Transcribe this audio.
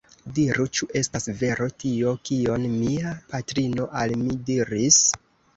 Diru, ĉu estas vero tio, kion mia patrino al mi diris?